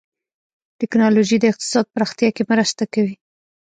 ټکنالوجي د اقتصاد پراختیا کې مرسته کوي.